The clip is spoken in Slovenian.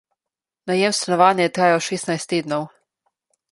Najem stanovanja je trajal šestnajst tednov.